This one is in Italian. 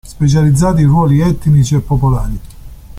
Specializzato in ruoli etnici e popolari.